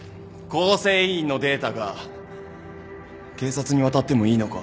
構成員のデータが警察に渡ってもいいのか？